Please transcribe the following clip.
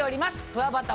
くわばた